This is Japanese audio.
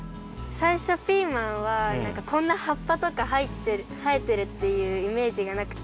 さいしょピーマンはこんなはっぱとかはえてるっていうイメージがなくて。